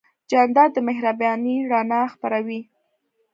جانداد د مهربانۍ رڼا خپروي.